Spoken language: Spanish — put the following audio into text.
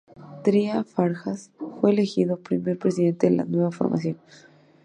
Trías Fargas fue elegido primer presidente de la nueva formación.